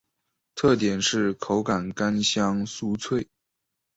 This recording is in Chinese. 特点是口感干香酥脆。